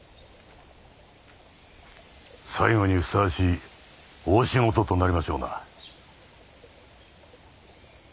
最後にふさわしい大仕事となりましょうな。